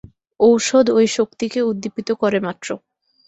ঔষধ ঐ শক্তিকে উদ্দীপিত করে মাত্র।